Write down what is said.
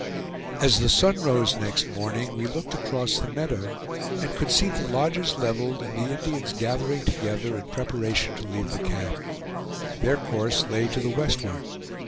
As the sun rose next morning we looked across the meadow, and could see the lodges leveled and the Indians gathering together in preparation to leave the camp. Their course lay to the westward.